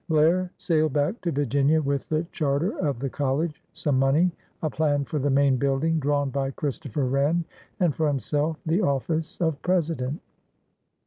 " Blair sailed back to Vir ginia with the charter of the collie, some money, a plan for the main building drawn by Christopher Wren, and for himself the office of President.